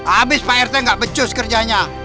abis pak rt nggak becus kerjanya